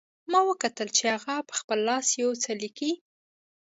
ما وکتل چې هغه په خپل لاس یو څه لیکي